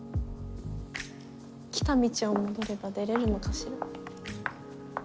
来た道を戻れば出れるのかしら。